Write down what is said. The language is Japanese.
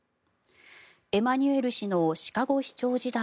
エマニュエル氏のシカゴ市長時代